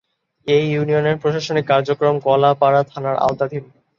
এ ইউনিয়নের প্রশাসনিক কার্যক্রম কলাপাড়া থানার আওতাধীন।